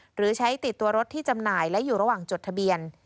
หรือใช้ติดตัวรถที่จำหน่ายและอยู่ระหว่างจดทะเบียน